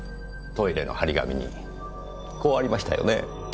トイレの張り紙にこうありましたよね。